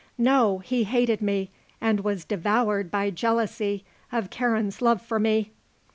No. He hated me, and was devoured by jealousy of Karen's love for me."